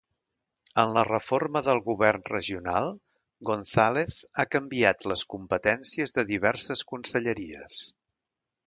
En la reforma del Govern regional, González ha canviat les competències de diverses conselleries.